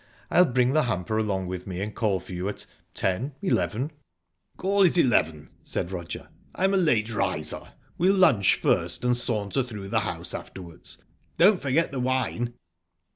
I'll bring the hamper along with me, and call for you at ...ten eleven...?" "Call it eleven," said Roger. "I'm a late riser. We'll lunch first, and saunter through the house afterwards. Don't forget the wine."